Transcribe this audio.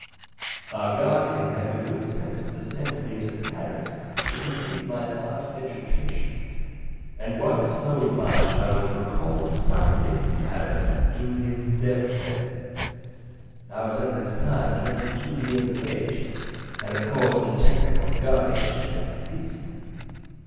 Our guardian had the good sense to send me to Paris to complete my art education, and one snowy March I was recalled suddenly from Paris to his death bed. I was at this time twenty two years of age, and of course the technical guardian ship had ceased.